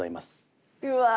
うわ！